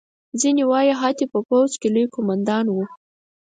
ځینې وایي حتی په پوځ کې لوی قوماندان وو.